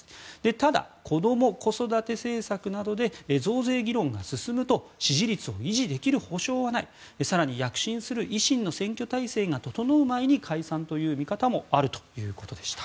ただ、こども・子育て政策などで増税議論が進むと支持率を維持できる保証はない更に、躍進する維新の選挙態勢が整う前に解散という見方もあるということでした。